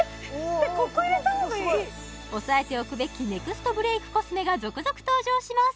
ここここすごい押さえておくべきネクストブレイクコスメが続々登場します